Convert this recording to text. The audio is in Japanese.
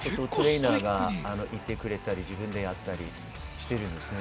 トレーナーがいてくれたり、自分でやったりしてます。